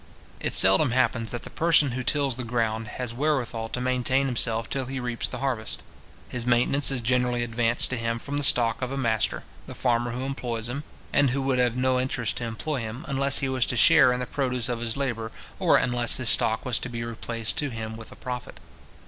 It seldom happens that the person who tills the ground has wherewithal to maintain himself till he reaps the harvest. His maintenance is generally advanced to him from the stock of a master, the farmer who employs him, and who would have no interest to employ him, unless he was to share in the produce of his labour, or unless his stock was to be replaced to him with a profit.